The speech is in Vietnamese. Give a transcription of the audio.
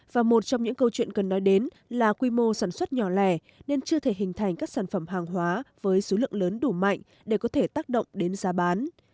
và một trong những câu chuyện cần nói đến là quy mô sản xuất nhỏ lẻ nên chưa thể hình thành các sản phẩm hàng hóa với số lượng lớn đủ mạnh để có thể tác động đến giá bán